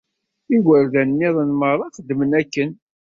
Igerdan nniḍen merra xeddmen akken.